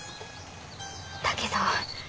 だけど。